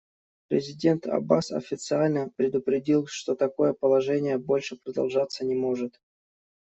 Президент Аббас официально предупредил, что такое положение больше продолжаться не может.